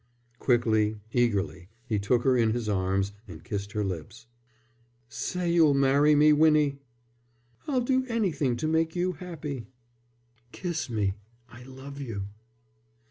Quickly, eagerly, he took her in his arms and kissed her lips. "Say you'll marry me, Winnie?" "I'll do anything to make you happy." "Kiss me. I love you."